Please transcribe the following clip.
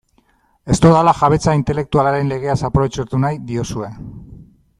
Ez dudala jabetza intelektualaren legeaz aprobetxatu nahi diozue.